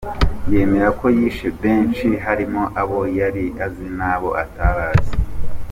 Yemera ko yishe benshi, harimo abo yari azi n’abo atari azi.